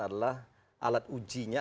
adalah alat ujinya